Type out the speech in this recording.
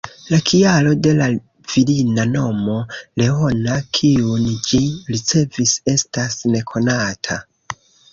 La kialo de la virina nomo, ""Leona"", kiun ĝi ricevis, estas nekonata.